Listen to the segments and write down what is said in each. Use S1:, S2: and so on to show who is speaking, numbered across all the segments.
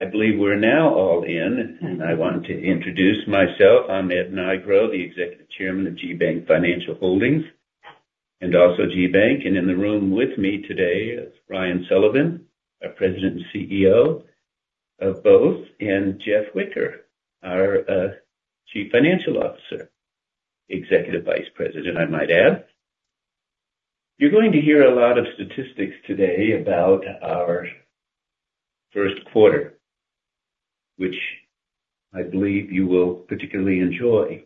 S1: I believe we're now all in, and I want to introduce myself. I'm Ed Nigro, the Executive Chairman of GBank Financial Holdings and also GBank. And in the room with me today is Ryan Sullivan, our President and CEO of both, and Jeff Whicker, our Chief Financial Officer, Executive Vice President, I might add. You're going to hear a lot of statistics today about our first quarter, which I believe you will particularly enjoy.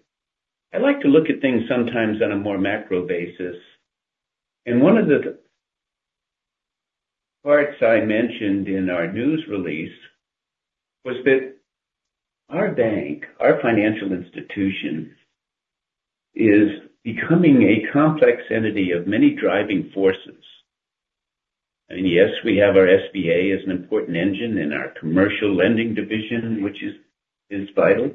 S1: I like to look at things sometimes on a more macro basis, and one of the parts I mentioned in our news release was that our bank, our financial institution, is becoming a complex entity of many driving forces. I mean, yes, we have our SBA as an important engine in our commercial lending division, which is vital.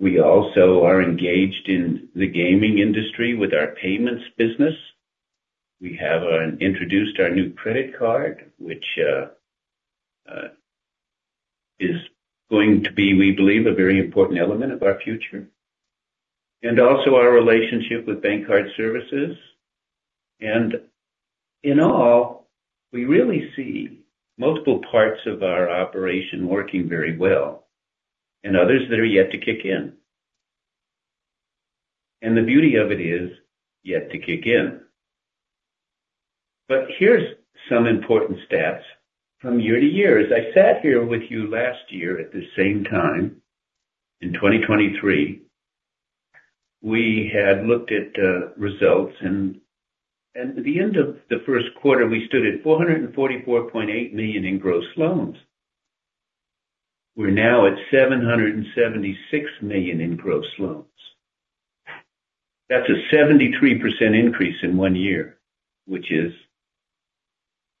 S1: We also are engaged in the gaming industry with our payments business. We have introduced our new credit card, which is going to be, we believe, a very important element of our future, and also our relationship with BankCard Services. And in all, we really see multiple parts of our operation working very well and others that are yet to kick in. And the beauty of it is yet to kick in. But here's some important stats from year to year. As I sat here with you last year at the same time in 2023, we had looked at results, and at the end of the first quarter, we stood at $444.8 million in gross loans. We're now at $776 million in gross loans. That's a 73% increase in one year, which is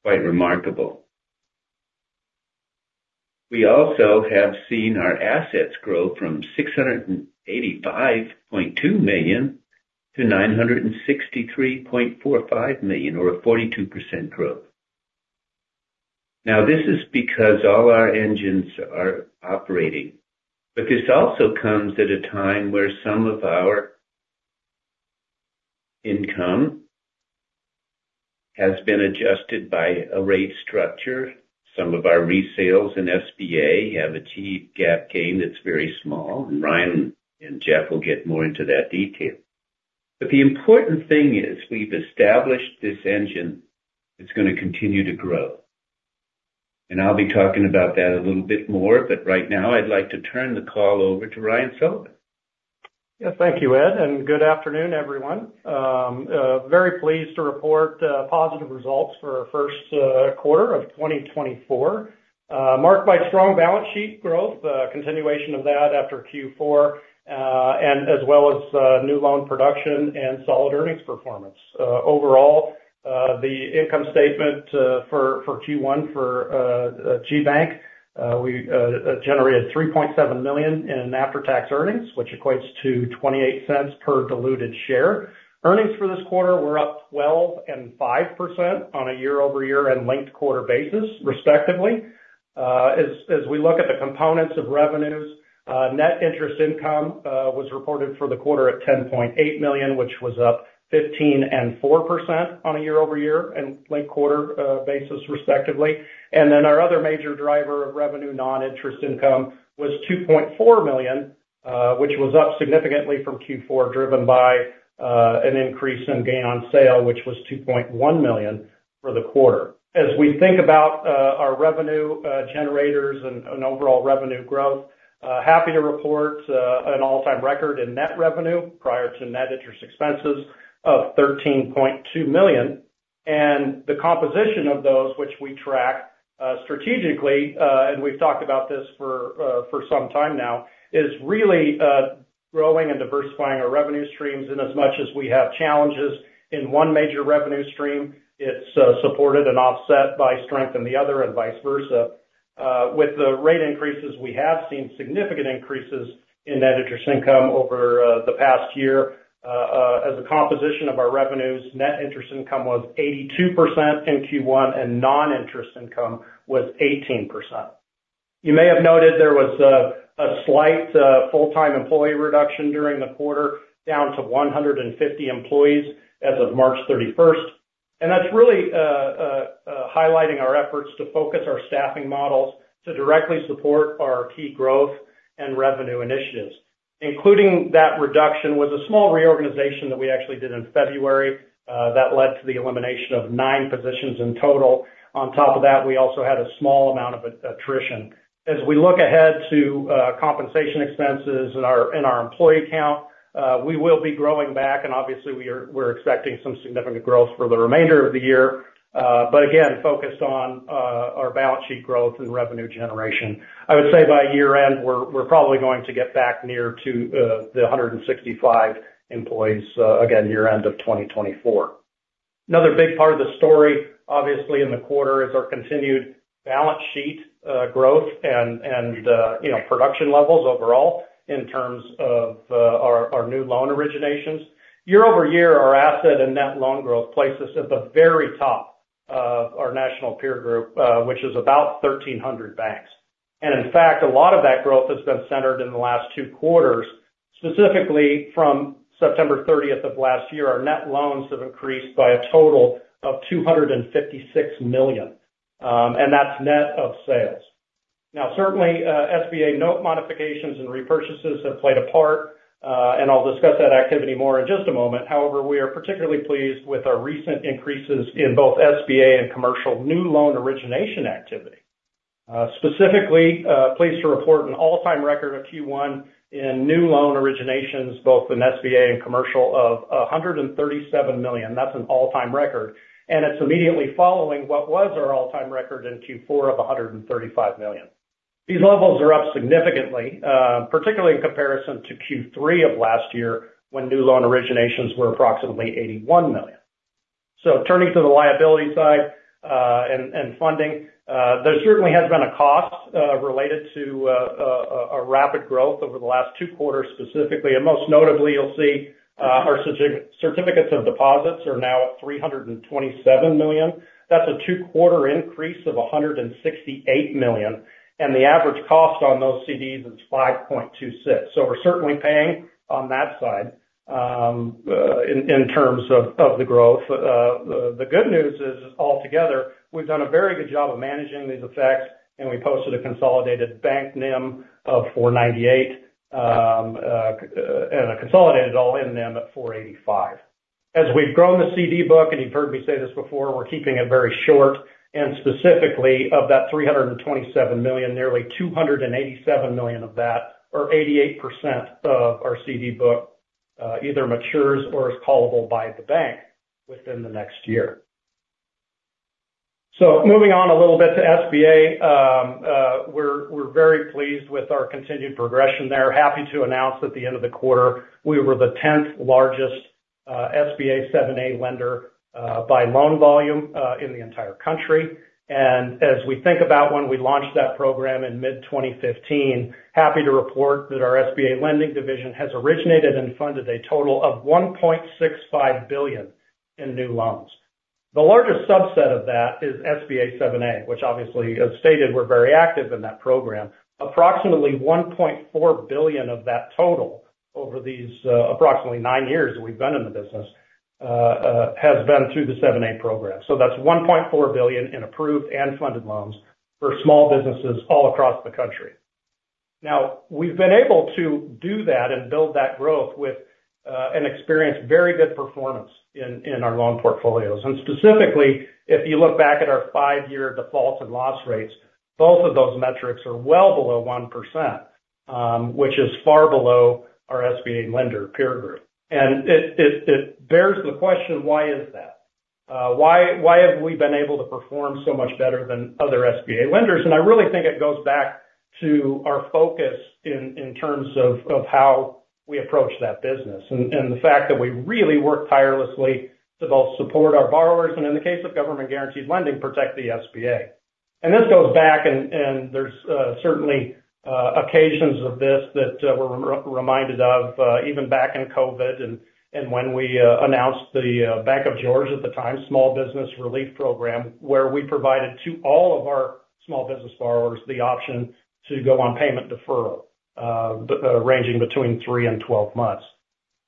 S1: quite remarkable. We also have seen our assets grow from $685.2 million to $963.45 million, or a 42% growth. Now, this is because all our engines are operating, but this also comes at a time where some of our income has been adjusted by a rate structure. Some of our resales in SBA have achieved GAAP gain that's very small, and Ryan and Jeff will get more into that detail. But the important thing is we've established this engine that's gonna continue to grow. And I'll be talking about that a little bit more, but right now I'd like to turn the call over to Ryan Sullivan.
S2: Yeah, thank you, Ed, and good afternoon, everyone. Very pleased to report positive results for our first quarter of 2024, marked by strong balance sheet growth, continuation of that after Q4, and as well as new loan production and solid earnings performance. Overall, the income statement for Q1 for GBank we generated $3.7 million in after-tax earnings, which equates to $0.28 per diluted share. Earnings for this quarter were up 12% and 5% on a year-over-year and linked-quarter basis, respectively. As we look at the components of revenues, net interest income was reported for the quarter at $10.8 million, which was up 15% and 4% on a year-over-year and linked-quarter basis, respectively. And then our other major driver of revenue non-interest income was $2.4 million, which was up significantly from Q4, driven by an increase in gain on sale, which was $2.1 million for the quarter. As we think about our revenue generators and overall revenue growth, happy to report an all-time record in net revenue prior to net interest expenses of $13.2 million. And the composition of those, which we track strategically, and we've talked about this for some time now, is really growing and diversifying our revenue streams. And as much as we have challenges in one major revenue stream, it's supported and offset by strength in the other and vice versa. With the rate increases, we have seen significant increases in net interest income over the past year. As a composition of our revenues, net interest income was 82% in Q1, and non-interest income was 18%. You may have noted there was a slight full-time employee reduction during the quarter, down to 150 employees as of March 31st. That's really highlighting our efforts to focus our staffing models to directly support our key growth and revenue initiatives. Including that reduction was a small reorganization that we actually did in February, that led to the elimination of nine positions in total. On top of that, we also had a small amount of attrition. As we look ahead to compensation expenses and our employee count, we will be growing back, and obviously, we're expecting some significant growth for the remainder of the year, but again, focused on our balance sheet growth and revenue generation. I would say by year-end, we're probably going to get back near to the 165 employees, again, year-end of 2024. Another big part of the story, obviously, in the quarter is our continued balance sheet growth and, you know, production levels overall in terms of our new loan originations. Year-over-year, our asset and net loan growth places at the very top of our national peer group, which is about 1,300 banks. And in fact, a lot of that growth has been centered in the last two quarters, specifically from September 30th of last year. Our net loans have increased by a total of $256 million, and that's net of sales. Now, certainly, SBA note modifications and repurchases have played a part, and I'll discuss that activity more in just a moment. However, we are particularly pleased with our recent increases in both SBA and commercial new loan origination activity. Specifically, pleased to report an all-time record of Q1 in new loan originations, both in SBA and commercial, of $137 million. That's an all-time record. And it's immediately following what was our all-time record in Q4 of $135 million. These levels are up significantly, particularly in comparison to Q3 of last year when new loan originations were approximately $81 million. So turning to the liability side, and funding, there certainly has been a cost related to a rapid growth over the last two quarters specifically. And most notably, you'll see our certificates of deposit are now at $327 million. That's a two-quarter increase of $168 million. And the average cost on those CDs is 5.26%. So we're certainly paying on that side, in terms of the growth. The good news is, altogether, we've done a very good job of managing these effects, and we posted a consolidated bank NIM of 498, and a consolidated all-in NIM at 485. As we've grown the CD book, and you've heard me say this before, we're keeping it very short. And specifically, of that $327 million, nearly $287 million of that, or 88% of our CD book, either matures or is callable by the bank within the next year. So moving on a little bit to SBA, we're very pleased with our continued progression there. Happy to announce at the end of the quarter, we were the 10th largest SBA 7(a) lender, by loan volume, in the entire country. As we think about when we launched that program in mid-2015, happy to report that our SBA lending division has originated and funded a total of $1.65 billion in new loans. The largest subset of that is SBA 7(a), which obviously, as stated, we're very active in that program. Approximately $1.4 billion of that total over these, approximately nine years that we've been in the business, has been through the 7(a) program. So that's $1.4 billion in approved and funded loans for small businesses all across the country. Now, we've been able to do that and build that growth with an experienced very good performance in our loan portfolios. And specifically, if you look back at our five-year defaults and loss rates, both of those metrics are well below 1%, which is far below our SBA lender peer group. It bears the question, why is that? Why have we been able to perform so much better than other SBA lenders? I really think it goes back to our focus in terms of how we approach that business and the fact that we really work tirelessly to both support our borrowers and, in the case of government-guaranteed lending, protect the SBA. This goes back and there's certainly occasions of this that we're reminded of, even back in COVID and when we announced the Bank of George at the time small business relief program, where we provided to all of our small business borrowers the option to go on payment deferral ranging between three and 12 months.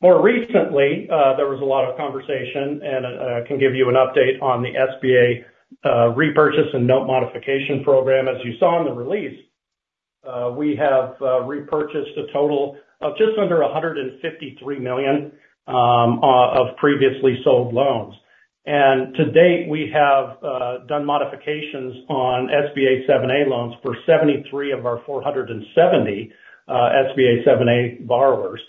S2: More recently, there was a lot of conversation, and I can give you an update on the SBA repurchase and note modification program. As you saw in the release, we have repurchased a total of just under $153 million of previously sold loans. To date, we have done modifications on SBA 7(a) loans for 73 of our 470 SBA 7(a) borrowers,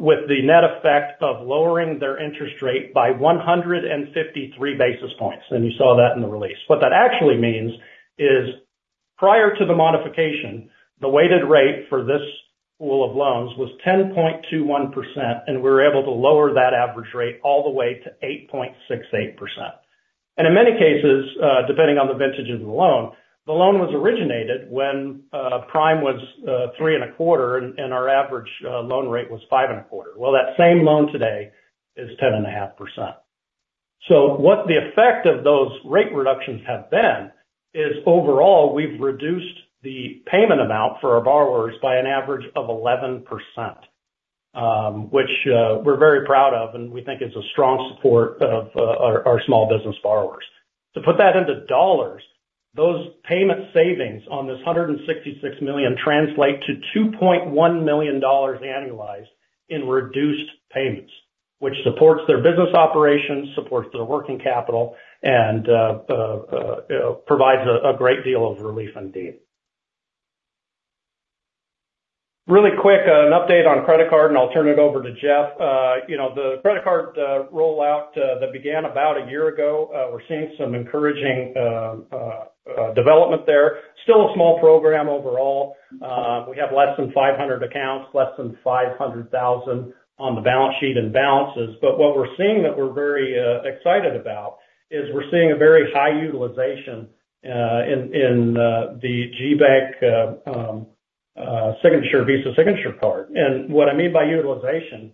S2: with the net effect of lowering their interest rate by 153 basis points. You saw that in the release. What that actually means is, prior to the modification, the weighted rate for this pool of loans was 10.21%, and we were able to lower that average rate all the way to 8.68%. In many cases, depending on the vintage of the loan, the loan was originated when prime was 3.25, and our average loan rate was 5.25. Well, that same loan today is 10.5%. So what the effect of those rate reductions have been is, overall, we've reduced the payment amount for our borrowers by an average of 11%, which, we're very proud of, and we think is a strong support of, our, our small business borrowers. To put that into dollars, those payment savings on this $166 million translate to $2.1 million annualized in reduced payments, which supports their business operations, supports their working capital, and, provides a, a great deal of relief indeed. Really quick, an update on credit card, and I'll turn it over to Jeff. You know, the credit card, rollout, that began about a year ago, we're seeing some encouraging, development there. Still a small program overall. We have less than 500 accounts, less than $500,000 on the balance sheet in balances. But what we're seeing that we're very excited about is we're seeing a very high utilization in the GBank Visa Signature Card. And what I mean by utilization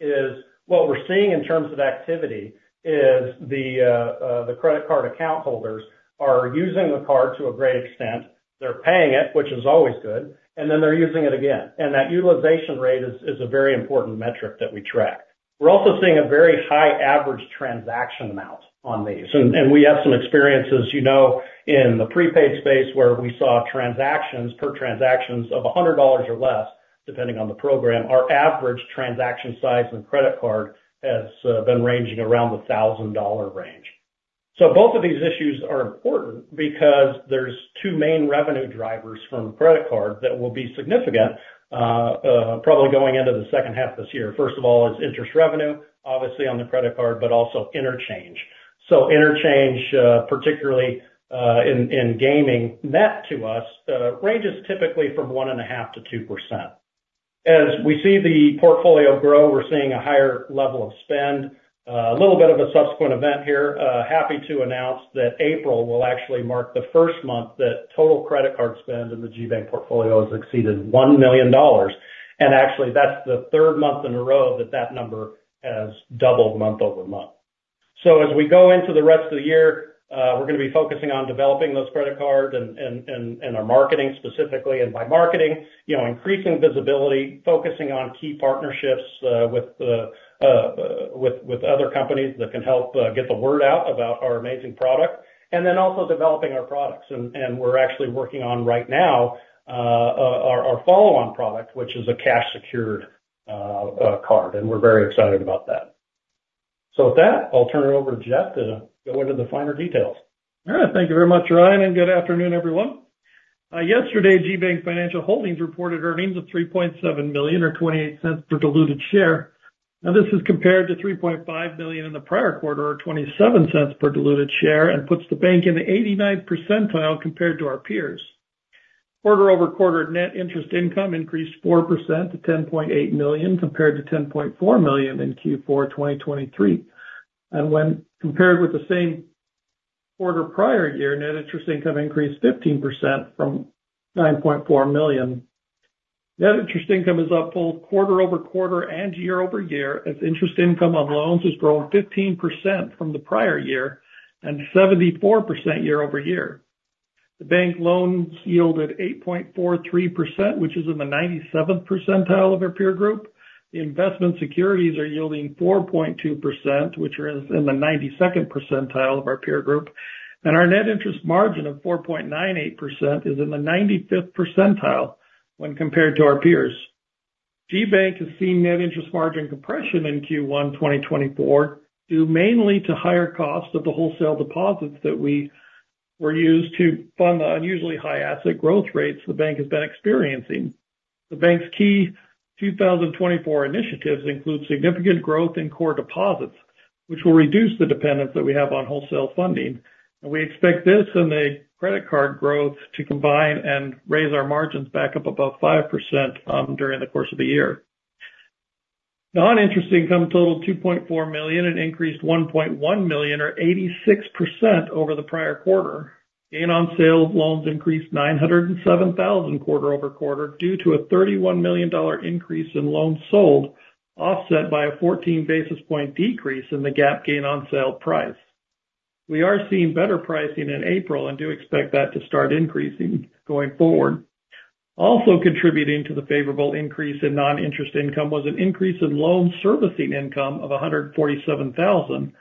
S2: is what we're seeing in terms of activity is the credit card account holders are using the card to a great extent. They're paying it, which is always good, and then they're using it again. And that utilization rate is a very important metric that we track. We're also seeing a very high average transaction amount on these. And we have some experiences, you know, in the prepaid space where we saw transactions per transactions of $100 or less, depending on the program. Our average transaction size on credit card has been ranging around the $1,000 range. So both of these issues are important because there's two main revenue drivers from credit card that will be significant, probably going into the second half this year. First of all, is interest revenue, obviously, on the credit card, but also interchange. So interchange, particularly, in gaming, net to us, ranges typically from 1.5%-2%. As we see the portfolio grow, we're seeing a higher level of spend. A little bit of a subsequent event here. Happy to announce that April will actually mark the first month that total credit card spend in the GBank portfolio has exceeded $1 million. And actually, that's the third month in a row that that number has doubled month-over-month. So as we go into the rest of the year, we're going to be focusing on developing those credit card and our marketing specifically. By marketing, you know, increasing visibility, focusing on key partnerships with other companies that can help get the word out about our amazing product, and then also developing our products. And we're actually working on right now our follow-on product, which is a cash-secured card. And we're very excited about that. So with that, I'll turn it over to Jeff to go into the finer details.
S3: All right. Thank you very much, Ryan, and good afternoon, everyone. Yesterday, GBank Financial Holdings reported earnings of $3.7 million or $0.28 per diluted share. Now, this is compared to $3.5 million in the prior quarter or $0.27 per diluted share and puts the bank in the 89th percentile compared to our peers. Quarter-over-quarter, net interest income increased 4% to $10.8 million compared to $10.4 million in Q4 2023. When compared with the same quarter prior year, net interest income increased 15% from $9.4 million. Net interest income is up both quarter-over-quarter and year-over-year as interest income on loans has grown 15% from the prior year and 74% year-over-year. The bank loans yielded 8.43%, which is in the 97th percentile of our peer group. The investment securities are yielding 4.2%, which are in the 92nd percentile of our peer group. Our net interest margin of 4.98% is in the 95th percentile when compared to our peers. GBank has seen net interest margin compression in Q1 2024 due mainly to higher costs of the wholesale deposits that we were used to fund the unusually high asset growth rates the bank has been experiencing. The bank's key 2024 initiatives include significant growth in core deposits, which will reduce the dependence that we have on wholesale funding. We expect this and the credit card growth to combine and raise our margins back up above 5%, during the course of the year. Non-interest income totaled $2.4 million and increased $1.1 million or 86% over the prior quarter. Gain on sales loans increased $907,000 quarter-over-quarter due to a $31 million increase in loans sold, offset by a 14 basis point decrease in the GAAP gain on sale price. We are seeing better pricing in April and do expect that to start increasing going forward. Also contributing to the favorable increase in non-interest income was an increase in loan servicing income of $147,000.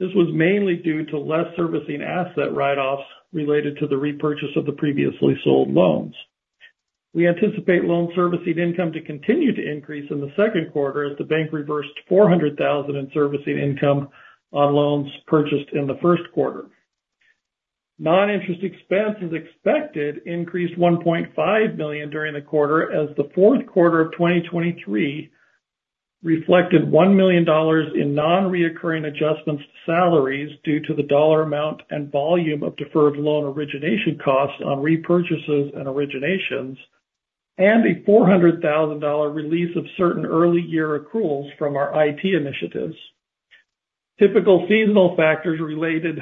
S3: This was mainly due to less servicing asset write-offs related to the repurchase of the previously sold loans. We anticipate loan servicing income to continue to increase in the second quarter as the bank reversed $400,000 in servicing income on loans purchased in the first quarter. Non-interest expense is expected increased $1.5 million during the quarter as the fourth quarter of 2023 reflected $1 million in non-recurring adjustments to salaries due to the dollar amount and volume of deferred loan origination costs on repurchases and originations, and a $400,000 release of certain early-year accruals from our IT initiatives. Typical seasonal factors related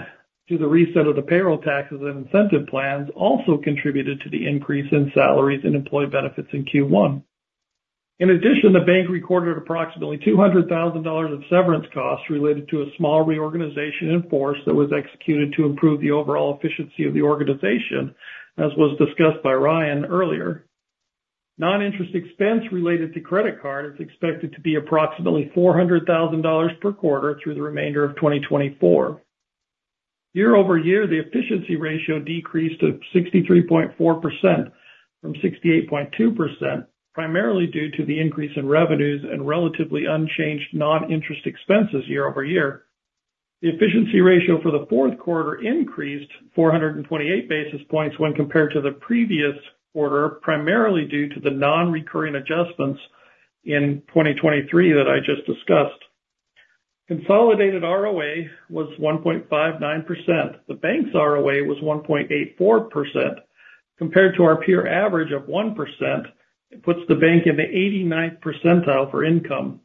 S3: to the reset of the payroll taxes and incentive plans also contributed to the increase in salaries and employee benefits in Q1. In addition, the bank recorded approximately $200,000 of severance costs related to a small reorganization enforced that was executed to improve the overall efficiency of the organization, as was discussed by Ryan earlier. Non-interest expense related to credit card is expected to be approximately $400,000 per quarter through the remainder of 2024. Year-over-year, the efficiency ratio decreased to 63.4% from 68.2%, primarily due to the increase in revenues and relatively unchanged non-interest expenses year-over-year. The efficiency ratio for the fourth quarter increased 428 basis points when compared to the previous quarter, primarily due to the non-recurring adjustments in 2023 that I just discussed. Consolidated ROA was 1.59%. The bank's ROA was 1.84%. Compared to our peer average of 1%, it puts the bank in the 89th percentile for income.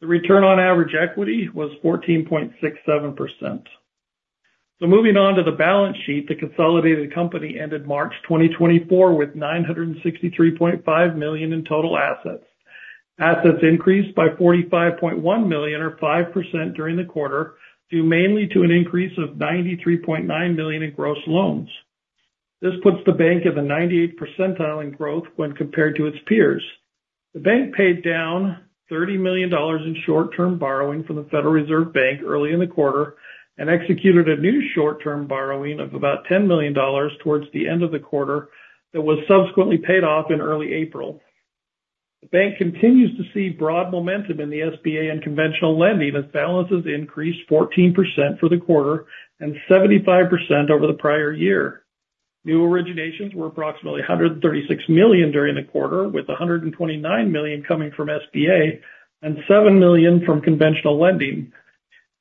S3: The return on average equity was 14.67%. So moving on to the balance sheet, the consolidated company ended March 2024 with $963.5 million in total assets. Assets increased by $45.1 million or 5% during the quarter due mainly to an increase of $93.9 million in gross loans. This puts the bank in the 98th percentile in growth when compared to its peers. The bank paid down $30 million in short-term borrowing from the Federal Reserve Bank early in the quarter and executed a new short-term borrowing of about $10 million towards the end of the quarter that was subsequently paid off in early April. The bank continues to see broad momentum in the SBA and conventional lending as balances increased 14% for the quarter and 75% over the prior year. New originations were approximately $136 million during the quarter, with $129 million coming from SBA and $7 million from conventional lending.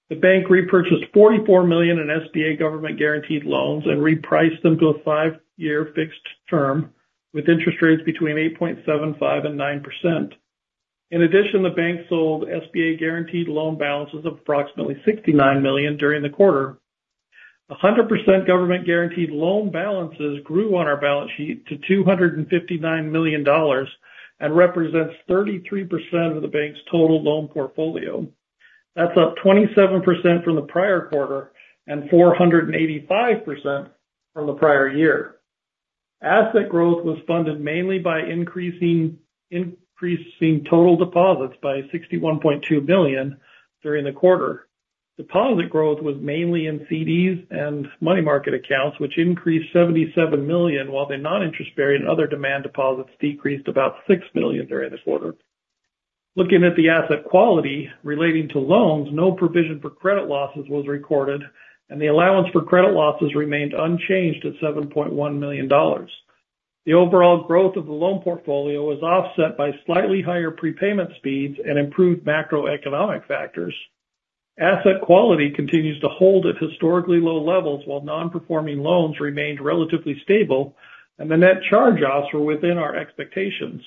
S3: The bank repurchased $44 million in SBA government-guaranteed loans and repriced them to a five-year fixed term with interest rates between 8.75%-9%. In addition, the bank sold SBA-guaranteed loan balances of approximately $69 million during the quarter. 100% government-guaranteed loan balances grew on our balance sheet to $259 million and represents 33% of the bank's total loan portfolio. That's up 27% from the prior quarter and 485% from the prior year. Asset growth was funded mainly by increasing total deposits by $61.2 million during the quarter. Deposit growth was mainly in CDs and money market accounts, which increased $77 million, while the non-interest-bearing and other demand deposits decreased about $6 million during the quarter. Looking at the asset quality relating to loans, no provision for credit losses was recorded, and the allowance for credit losses remained unchanged at $7.1 million. The overall growth of the loan portfolio was offset by slightly higher prepayment speeds and improved macroeconomic factors. Asset quality continues to hold at historically low levels, while non-performing loans remained relatively stable, and the net charge-offs were within our expectations.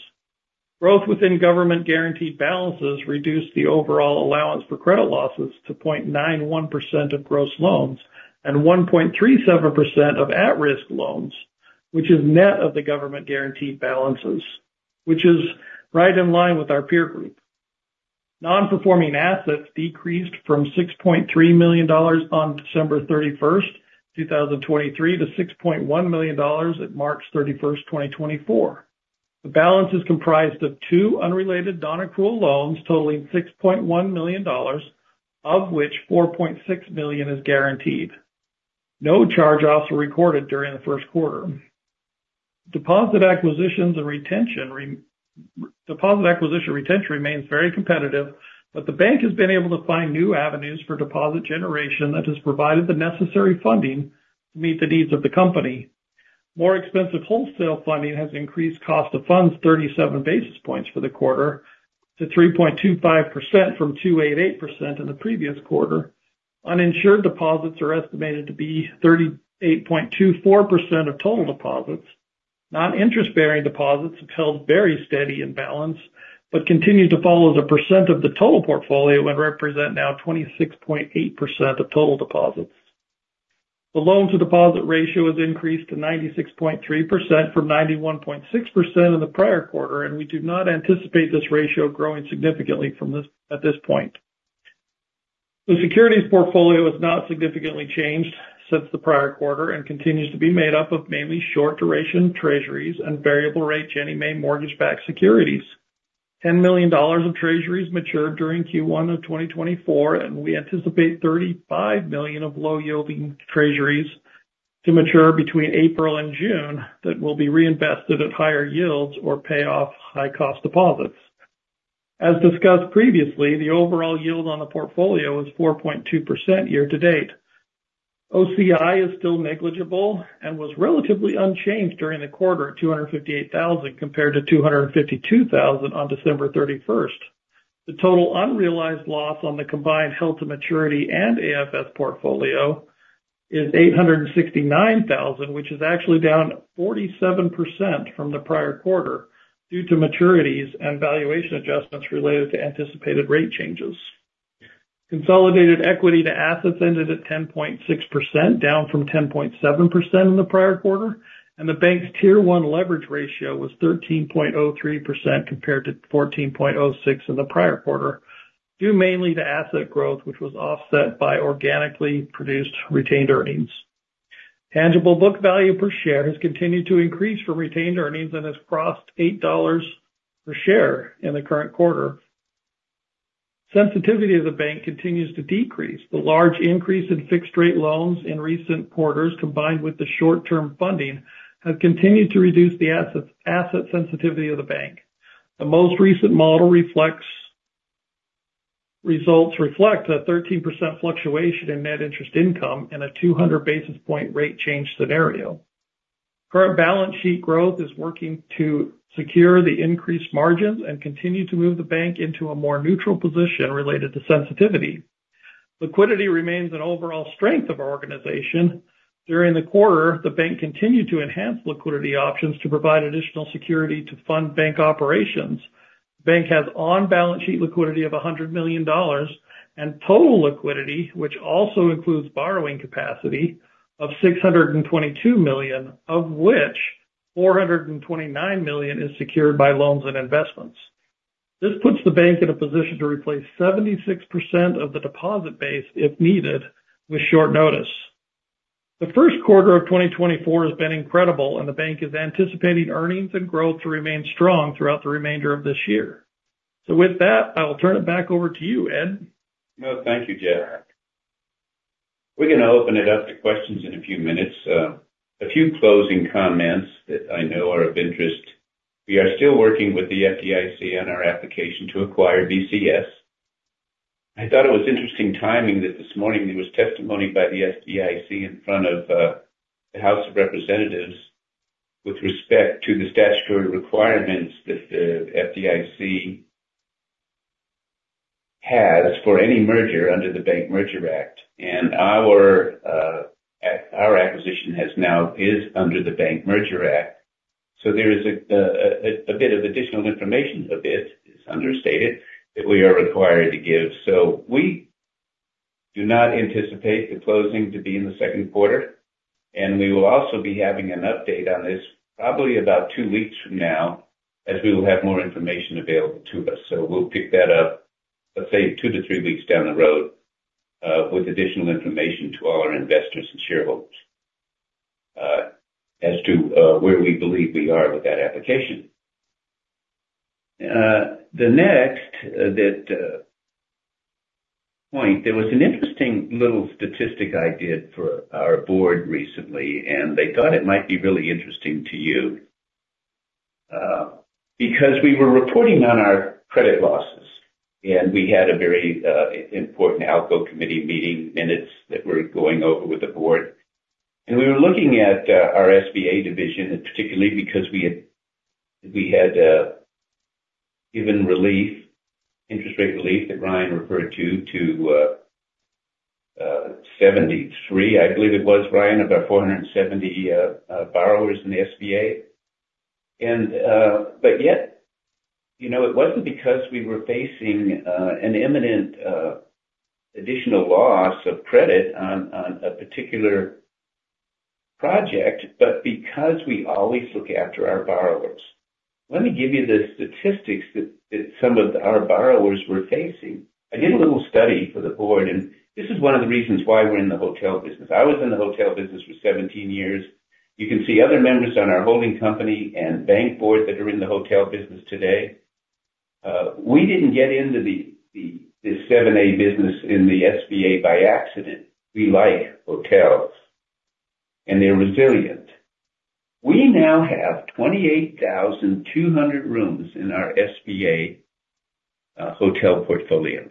S3: Growth within government-guaranteed balances reduced the overall allowance for credit losses to 0.91% of gross loans and 1.37% of at-risk loans, which is net of the government-guaranteed balances, which is right in line with our peer group. Non-performing assets decreased from $6.3 million on December 31st, 2023, to $6.1 million at March 31st, 2024. The balance is comprised of two unrelated non-accrual loans totaling $6.1 million, of which $4.6 million is guaranteed. No charge-offs were recorded during the first quarter. Deposit acquisition and retention remains very competitive, but the bank has been able to find new avenues for deposit generation that has provided the necessary funding to meet the needs of the company. More expensive wholesale funding has increased cost of funds 37 basis points for the quarter to 3.25% from 2.88% in the previous quarter. Uninsured deposits are estimated to be 38.24% of total deposits. Non-interest bearing deposits have held very steady in balance but continue to fall as a percent of the total portfolio and represent now 26.8% of total deposits. The loan-to-deposit ratio has increased to 96.3% from 91.6% in the prior quarter, and we do not anticipate this ratio growing significantly from this at this point. The securities portfolio has not significantly changed since the prior quarter and continues to be made up of mainly short-duration treasuries and variable-rate Ginnie Mae mortgage-backed securities. $10 million of treasuries matured during Q1 of 2024, and we anticipate $35 million of low-yielding treasuries to mature between April and June that will be reinvested at higher yields or pay off high-cost deposits. As discussed previously, the overall yield on the portfolio is 4.2% year to date. OCI is still negligible and was relatively unchanged during the quarter at $258,000 compared to $252,000 on December 31st. The total unrealized loss on the combined held-to-maturity and AFS portfolio is $869,000, which is actually down 47% from the prior quarter due to maturities and valuation adjustments related to anticipated rate changes. Consolidated equity to assets ended at 10.6%, down from 10.7% in the prior quarter, and the bank's Tier 1 leverage ratio was 13.03% compared to 14.06% in the prior quarter due mainly to asset growth, which was offset by organically produced retained earnings. Tangible book value per share has continued to increase from retained earnings and has crossed $8 per share in the current quarter. Sensitivity of the bank continues to decrease. The large increase in fixed-rate loans in recent quarters, combined with the short-term funding, has continued to reduce the asset sensitivity of the bank. The most recent model reflects a 13% fluctuation in net interest income in a 200-basis-point rate change scenario. Current balance sheet growth is working to secure the increased margins and continue to move the bank into a more neutral position related to sensitivity. Liquidity remains an overall strength of our organization. During the quarter, the bank continued to enhance liquidity options to provide additional security to fund bank operations. The bank has on-balance sheet liquidity of $100 million and total liquidity, which also includes borrowing capacity of $622 million, of which $429 million is secured by loans and investments. This puts the bank in a position to replace 76% of the deposit base, if needed, with short notice. The first quarter of 2024 has been incredible, and the bank is anticipating earnings and growth to remain strong throughout the remainder of this year. So with that, I will turn it back over to you, Ed.
S1: No, thank you, Jeff. We're going to open it up to questions in a few minutes. A few closing comments that I know are of interest. We are still working with the FDIC on our application to acquire BCS. I thought it was interesting timing that this morning there was testimony by the FDIC in front of the House of Representatives with respect to the statutory requirements that the FDIC has for any merger under the Bank Merger Act. Our acquisition is under the Bank Merger Act. There is a bit of additional information, a bit is understated, that we are required to give. We do not anticipate the closing to be in the second quarter. We will also be having an update on this probably about two weeks from now as we will have more information available to us. So we'll pick that up, let's say, two to three weeks down the road with additional information to all our investors and shareholders as to where we believe we are with that application. The next point, there was an interesting little statistic I did for our board recently, and they thought it might be really interesting to you. Because we were reporting on our credit losses, and we had a very important ALCO committee meeting minutes that we're going over with the board. And we were looking at our SBA division, and particularly because we had given relief, interest rate relief that Ryan referred to, to 73, I believe it was, Ryan, about 470 borrowers in the SBA. But yet, it wasn't because we were facing an imminent additional loss of credit on a particular project, but because we always look after our borrowers. Let me give you the statistics that some of our borrowers were facing. I did a little study for the board, and this is one of the reasons why we're in the hotel business. I was in the hotel business for 17 years. You can see other members on our holding company and bank board that are in the hotel business today. We didn't get into this 7(a) business in the SBA by accident. We like hotels, and they're resilient. We now have 28,200 rooms in our SBA hotel portfolio.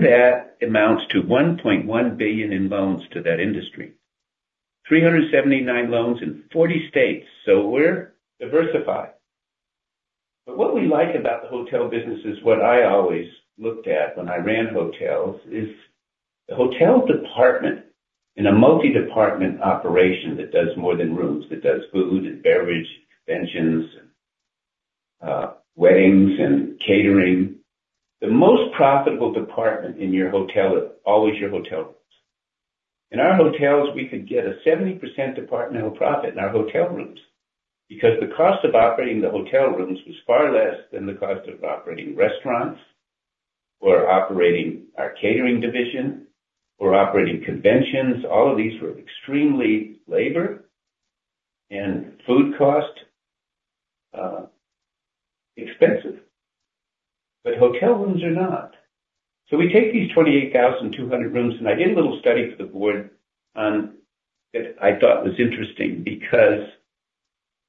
S1: That amounts to $1.1 billion in loans to that industry, 379 loans in 40 states. So we're diversified. But what we like about the hotel businesses, what I always looked at when I ran hotels, is the hotel department in a multi-department operation that does more than rooms, that does food and beverage and conventions and weddings and catering. The most profitable department in your hotel is always your hotel rooms. In our hotels, we could get a 70% departmental profit in our hotel rooms because the cost of operating the hotel rooms was far less than the cost of operating restaurants or operating our catering division or operating conventions. All of these were extremely labor and food cost expensive. But hotel rooms are not. So we take these 28,200 rooms, and I did a little study for the board that I thought was interesting because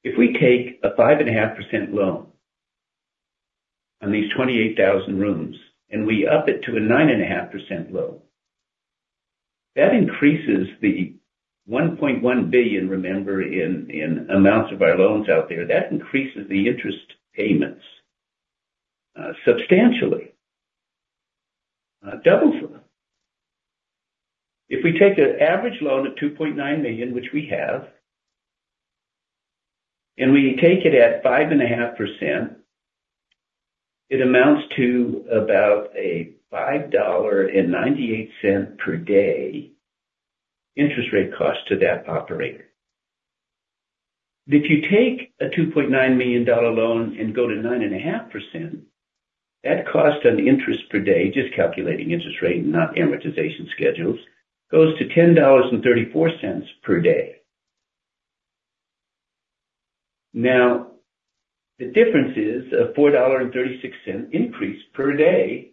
S1: if we take a 5.5% loan on these 28,000 rooms and we up it to a 9.5% loan, that increases the $1.1 billion, remember, in amounts of our loans out there. That increases the interest payments substantially, doubles them. If we take an average loan of $2.9 million, which we have, and we take it at 5.5%, it amounts to about a $5.98 per day interest rate cost to that operator. If you take a $2.9 million loan and go to 9.5%, that cost on interest per day, just calculating interest rate and not amortization schedules, goes to $10.34 per day. Now, the difference is a $4.36 increase per day.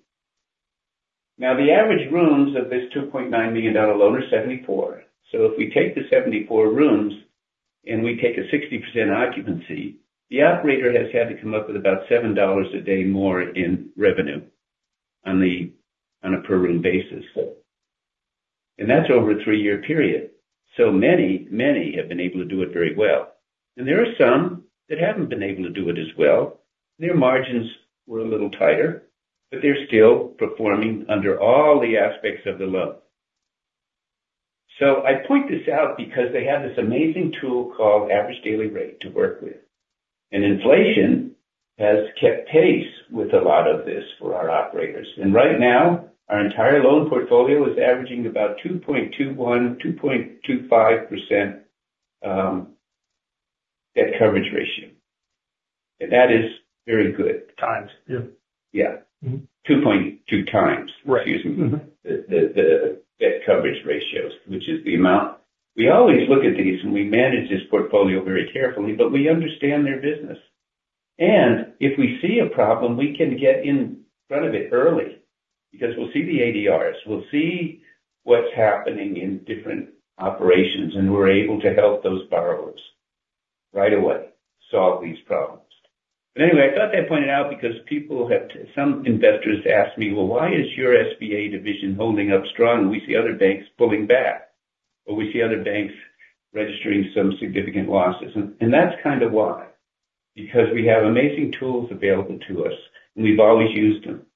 S1: Now, the average rooms of this $2.9 million loan are 74. So if we take the 74 rooms and we take a 60% occupancy, the operator has had to come up with about $7 a day more in revenue on a per-room basis. And that's over a three-year period. So many, many have been able to do it very well. And there are some that haven't been able to do it as well. Their margins were a little tighter, but they're still performing under all the aspects of the loan. So I point this out because they have this amazing tool called average daily rate to work with. And inflation has kept pace with a lot of this for our operators. And right now, our entire loan portfolio is averaging about 2.21%-2.25% debt coverage ratio. And that is very good.
S2: Times. Yeah.
S1: Yeah. 2.2x, excuse me, the debt coverage ratios, which is the amount we always look at these, and we manage this portfolio very carefully, but we understand their business. And if we see a problem, we can get in front of it early because we'll see the ADRs. We'll see what's happening in different operations, and we're able to help those borrowers right away, solve these problems. But anyway, I thought that pointed out because some investors asked me, "Well, why is your SBA division holding up strong? We see other banks pulling back, or we see other banks registering some significant losses." And that's kind of why, because we have amazing tools available to us, and we've always used them.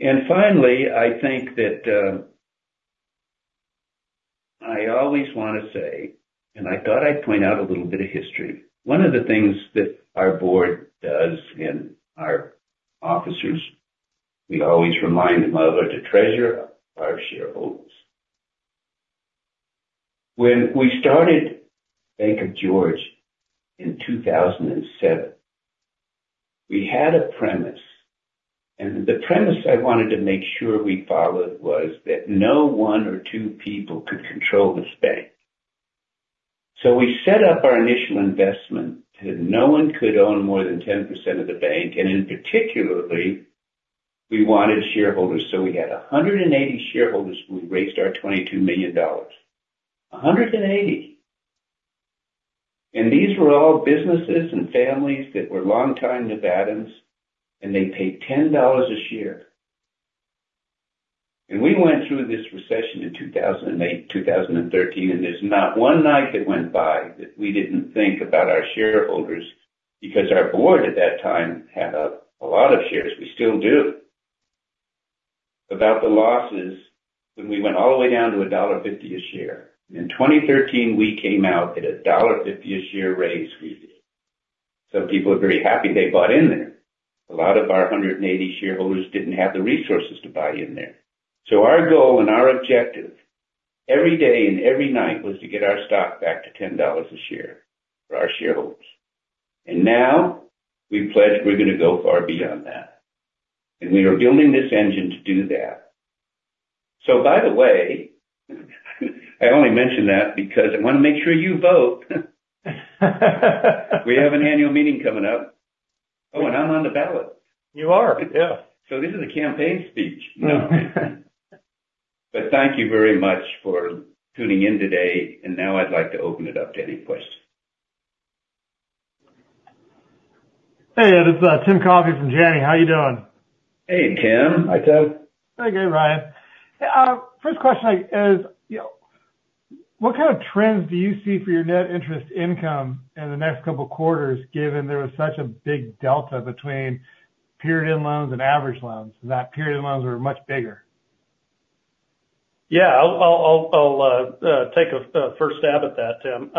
S1: And finally, I think that I always want to say, and I thought I'd point out a little bit of history. One of the things that our board does and our officers, we always remind them of, are to treasure our shareholders. When we started Bank of George in 2007, we had a premise. And the premise I wanted to make sure we followed was that no one or two people could control this bank. So we set up our initial investment that no one could own more than 10% of the bank. In particular, we wanted shareholders. So we had 180 shareholders when we raised our $22 million, 180. And these were all businesses and families that were longtime Nevadans, and they paid $10 a share. And we went through this recession in 2008, 2013, and there's not one night that went by that we didn't think about our shareholders because our board at that time had a lot of shares. We still do about the losses when we went all the way down to $1.50 a share. In 2013, we came out at a $1.50 a share raise we did. So people are very happy they bought in there. A lot of our 180 shareholders didn't have the resources to buy in there. So our goal and our objective every day and every night was to get our stock back to $10 a share for our shareholders. Now we pledge we're going to go far beyond that. We are building this engine to do that. So by the way, I only mentioned that because I want to make sure you vote. We have an annual meeting coming up. Oh, and I'm on the ballot.
S2: You are.
S1: Yeah. So this is a campaign speech. No. Thank you very much for tuning in today. Now I'd like to open it up to any questions.
S4: Hey, Ed. It's Tim Coffey from Janney. How are you doing?
S2: Hey, Tim.
S4: Hi, Ed. Hey, good, Ryan. First question is, what kind of trends do you see for your net interest income in the next couple of quarters given there was such a big delta between period-in-loans and average loans and that period-in-loans were much bigger?
S2: Yeah. I'll take a first stab at that, Tim.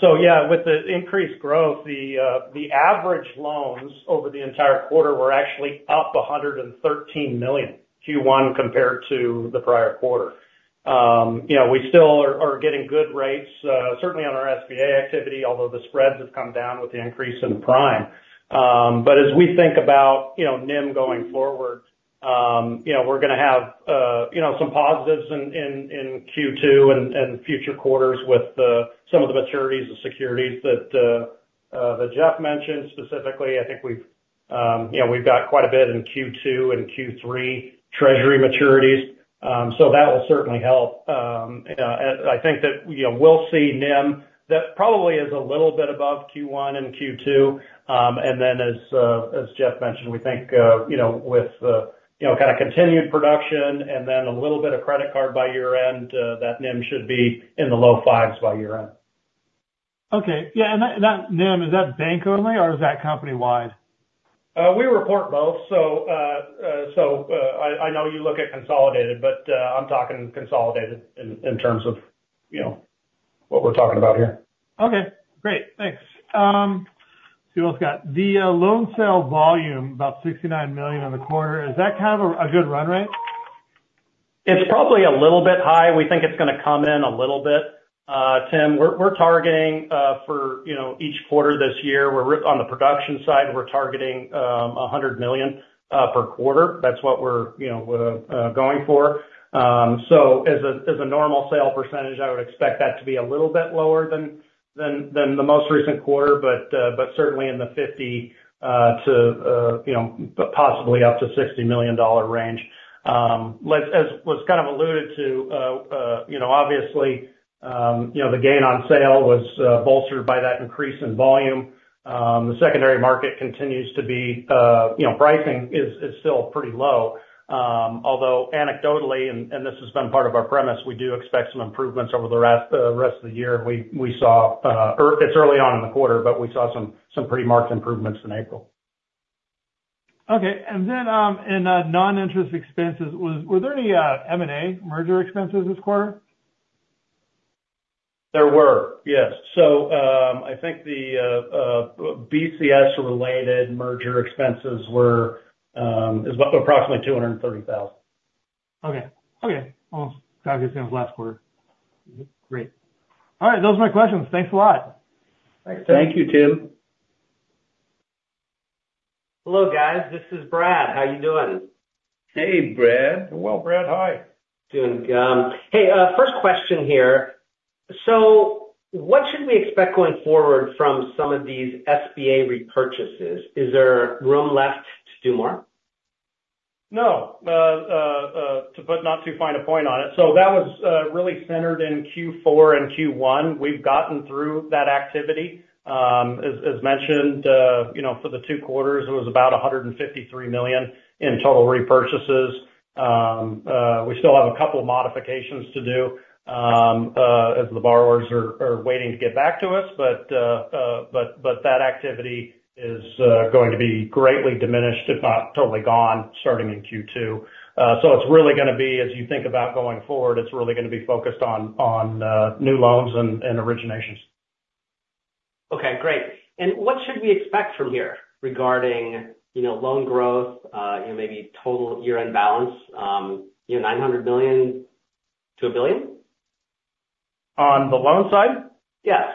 S2: So yeah, with the increased growth, the average loans over the entire quarter were actually up $113 million Q1 compared to the prior quarter. We still are getting good rates, certainly on our SBA activity, although the spreads have come down with the increase in the prime. But as we think about NIM going forward, we're going to have some positives in Q2 and future quarters with some of the maturities, the securities that Jeff mentioned specifically. I think we've got quite a bit in Q2 and Q3 treasury maturities. So that will certainly help. I think that we'll see NIM that probably is a little bit above Q1 and Q2. And then as Jeff mentioned, we think with kind of continued production and then a little bit of credit card by year-end, that NIM should be in the low fives by year-end.
S4: Okay. Yeah. And that NIM, is that bank-only, or is that company-wide?
S2: We report both. So I know you look at consolidated, but I'm talking consolidated in terms of what we're talking about here.
S4: Okay. Great. Thanks. Let's see what else we got. The loan sale volume, about $69 million in the quarter, is that kind of a good run rate?
S2: It's probably a little bit high. We think it's going to come in a little bit, Tim. We're targeting for each quarter this year, on the production side, we're targeting $100 million per quarter. That's what we're going for. So as a normal sale percentage, I would expect that to be a little bit lower than the most recent quarter, but certainly in the $50 million to possibly up to $60 million range. As was kind of alluded to, obviously, the gain on sale was bolstered by that increase in volume. The secondary market continues to be. Pricing is still pretty low. Although anecdotally, and this has been part of our premise, we do expect some improvements over the rest of the year. We saw. It's early on in the quarter, but we saw some pretty marked improvements in April.
S4: Okay. And then in non-interest expenses, were there any M&A merger expenses this quarter?
S2: There were. Yes. So I think the BCS-related merger expenses were approximately $230,000.
S4: Okay. Okay. Almost calculating for last quarter. Great. All right. Those are my questions. Thanks a lot.
S2: Thanks, Tim.
S1: Thank you, Tim.
S5: Hello, guys. This is Brad. How are you doing?
S1: Hey, Brad.
S2: Doing well, Brad. Hi.
S5: Doing good. Hey, first question here. So what should we expect going forward from some of these SBA repurchases? Is there room left to do more?
S2: No. To put not too fine a point on it, so that was really centered in Q4 and Q1. We've gotten through that activity. As mentioned, for the two quarters, it was about $153 million in total repurchases. We still have a couple of modifications to do as the borrowers are waiting to get back to us. But that activity is going to be greatly diminished, if not totally gone, starting in Q2. So it's really going to be as you think about going forward, it's really going to be focused on new loans and originations.
S5: Okay. Great. And what should we expect from here regarding loan growth, maybe total year-end balance, $900 million-$1 billion?
S3: On the loan side?
S5: Yes.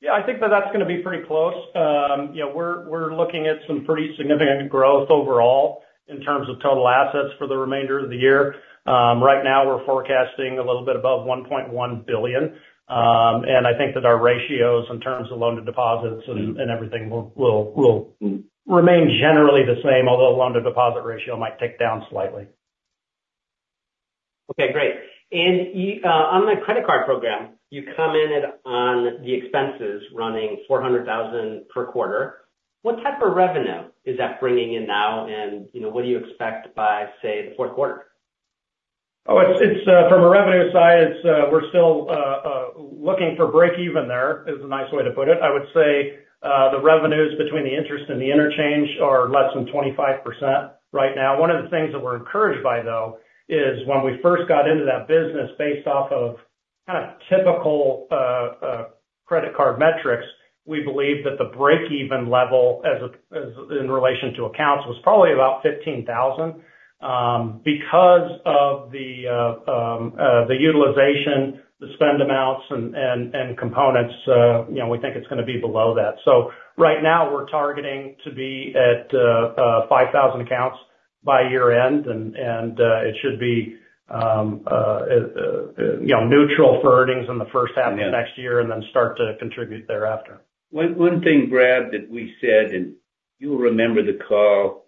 S2: Yeah. I think that that's going to be pretty close. We're looking at some pretty significant growth overall in terms of total assets for the remainder of the year. Right now, we're forecasting a little bit above $1.1 billion. And I think that our ratios in terms of loan-to-deposits and everything will remain generally the same, although loan-to-deposit ratio might tick down slightly.
S5: Okay. Great. And on the credit card program, you come in on the expenses running $400,000 per quarter. What type of revenue is that bringing in now, and what do you expect by, say, the fourth quarter?
S2: Oh, from a revenue side, we're still looking for break-even there. Is a nice way to put it. I would say the revenues between the interest and the interchange are less than 25% right now. One of the things that we're encouraged by, though, is when we first got into that business based off of kind of typical credit card metrics, we believe that the break-even level in relation to accounts was probably about 15,000. Because of the utilization, the spend amounts, and components, we think it's going to be below that. So right now, we're targeting to be at 5,000 accounts by year-end, and it should be neutral for earnings in the first half of next year and then start to contribute thereafter.
S1: One thing, Brad, that we said, and you'll remember the call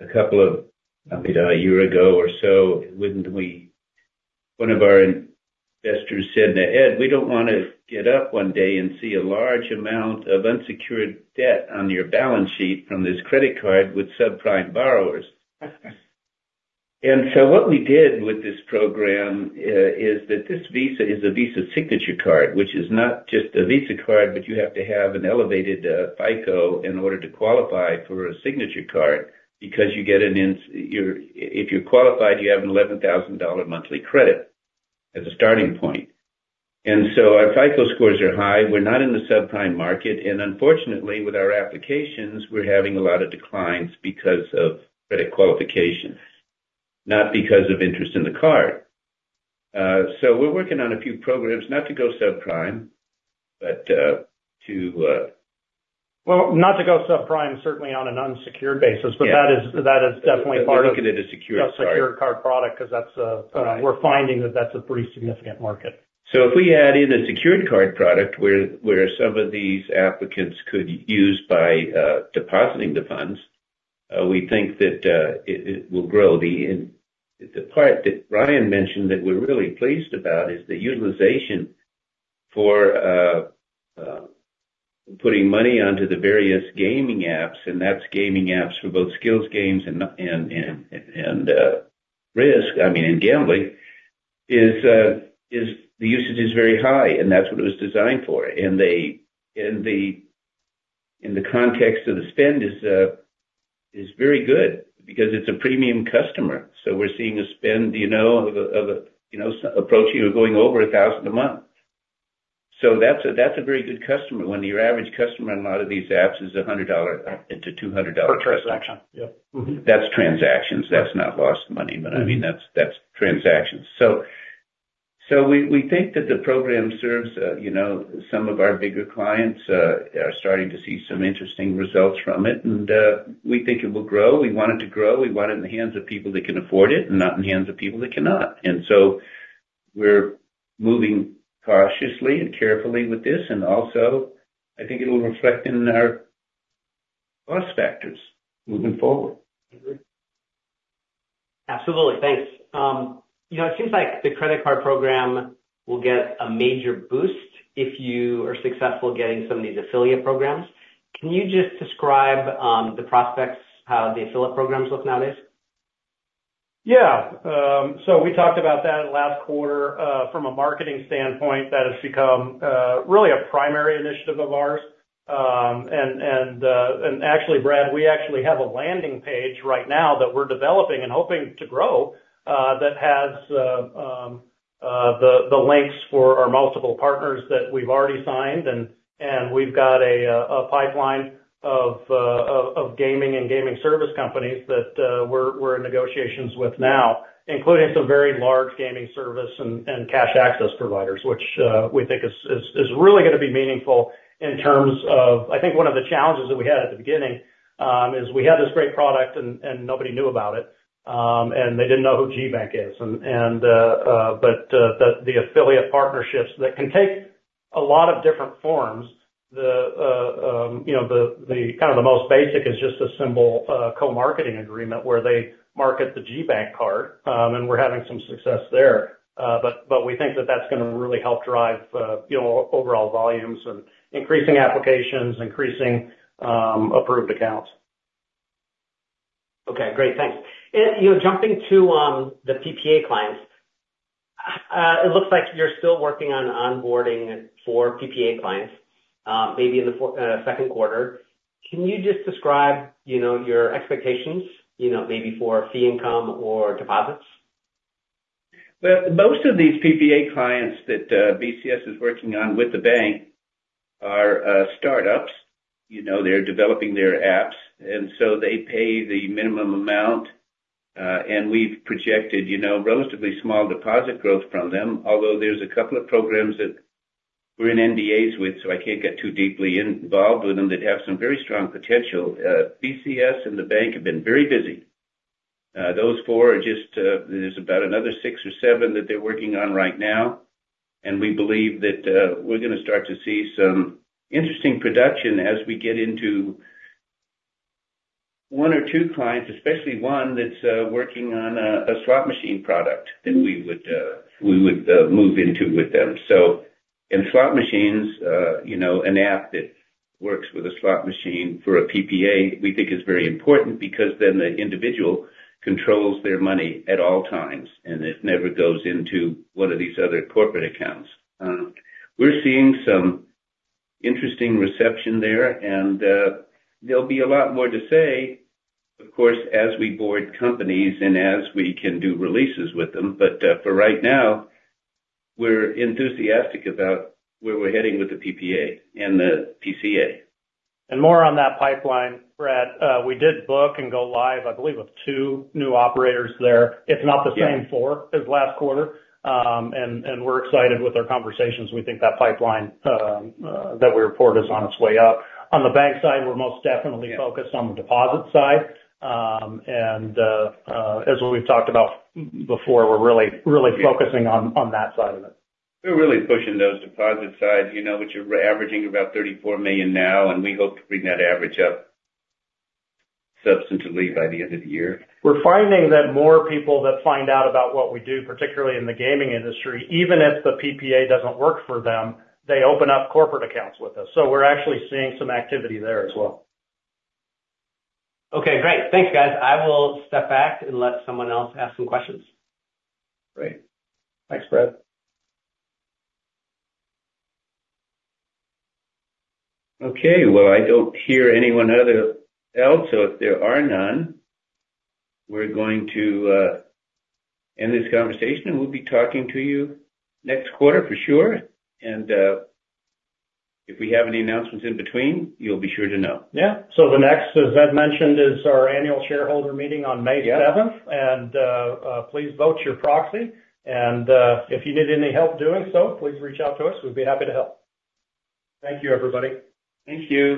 S1: a couple of maybe a year ago or so, wouldn't we? One of our investors said to Ed, "We don't want to get up one day and see a large amount of unsecured debt on your balance sheet from this credit card with subprime borrowers." And so what we did with this program is that this Visa is a Visa Signature card, which is not just a Visa card, but you have to have an elevated FICO in order to qualify for a Signature card because you get an if you're qualified, you have an $11,000 monthly credit as a starting point. And so our FICO scores are high. We're not in the subprime market. And unfortunately, with our applications, we're having a lot of declines because of credit qualification, not because of interest in the card. So we're working on a few programs, not to go subprime, but to
S2: well, not to go subprime, certainly on an unsecured basis. But that is definitely part of.
S1: Look at it as a secured card,
S2: a secured card product because we're finding that that's a pretty significant market.
S1: So if we add in a secured card product where some of these applicants could use by depositing the funds, we think that it will grow. The part that Ryan mentioned that we're really pleased about is the utilization for putting money onto the various gaming apps, and that's gaming apps for both skill games and risk, I mean, and gambling; the usage is very high, and that's what it was designed for. The context of the spend is very good because it's a premium customer. So we're seeing a spend of approaching or going over $1,000 a month. So that's a very good customer. When your average customer on a lot of these apps is $100-$200 a month. Transaction.
S2: Yep.
S1: That's transactions. That's not lost money, but I mean, that's transactions. So we think that the program serves some of our bigger clients are starting to see some interesting results from it, and we think it will grow. We want it to grow. We want it in the hands of people that can afford it and not in the hands of people that cannot. And so we're moving cautiously and carefully with this. And also, I think it'll reflect in our cost factors moving forward.
S2: Agree.
S5: Absolutely. Thanks. It seems like the credit card program will get a major boost if you are successful getting some of these affiliate programs. Can you just describe the prospects, how the affiliate programs look nowadays?
S2: Yeah. So we talked about that last quarter. From a marketing standpoint, that has become really a primary initiative of ours. And actually, Brad, we actually have a landing page right now that we're developing and hoping to grow that has the links for our multiple partners that we've already signed. And we've got a pipeline of gaming and gaming service companies that we're in negotiations with now, including some very large gaming service and cash access providers, which we think is really going to be meaningful in terms of. I think one of the challenges that we had at the beginning is we had this great product, and nobody knew about it, and they didn't know who GBank is. But the affiliate partnerships that can take a lot of different forms, the kind of the most basic is just a simple co-marketing agreement where they market the GBank card, and we're having some success there. But we think that that's going to really help drive overall volumes and increasing applications, increasing approved accounts.
S5: Okay. Great. Thanks. Jumping to the PPA clients, it looks like you're still working on onboarding for PPA clients, maybe in the second quarter. Can you just describe your expectations, maybe for fee income or deposits?
S1: Well, most of these PPA clients that BCS is working on with the bank are startups. They're developing their apps. And so they pay the minimum amount. And we've projected relatively small deposit growth from them, although there's a couple of programs that we're in NDAs with, so I can't get too deeply involved with them that have some very strong potential. BCS and the bank have been very busy. Those four are just; there's about another six or seven that they're working on right now. We believe that we're going to start to see some interesting production as we get into one or two clients, especially one that's working on a slot machine product that we would move into with them. In slot machines, an app that works with a slot machine for a PPA, we think is very important because then the individual controls their money at all times, and it never goes into one of these other corporate accounts. We're seeing some interesting reception there. There'll be a lot more to say, of course, as we board companies and as we can do releases with them. For right now, we're enthusiastic about where we're heading with the PPA and the PCA.
S2: More on that pipeline, Brad, we did book and go live, I believe, with two new operators there. It's not the same four as last quarter. And we're excited with our conversations. We think that pipeline that we report is on its way up. On the bank side, we're most definitely focused on the deposit side. And as we've talked about before, we're really focusing on that side of it.
S1: We're really pushing those deposit side, which are averaging about $34 million now, and we hope to bring that average up substantially by the end of the year.
S2: We're finding that more people that find out about what we do, particularly in the gaming industry, even if the PPA doesn't work for them, they open up corporate accounts with us. So we're actually seeing some activity there as well.
S5: Okay. Great. Thanks, guys. I will step back and let someone else ask some questions.
S2: Great. Thanks, Brad.
S1: Okay. Well, I don't hear anyone else. So if there are none, we're going to end this conversation, and we'll be talking to you next quarter for sure. And if we have any announcements in between, you'll be sure to know.
S2: Yeah. So the next, as Ed mentioned, is our annual shareholder meeting on May 7th. And please vote your proxy. And if you need any help doing so, please reach out to us. We'd be happy to help. Thank you, everybody.
S3: Thank you.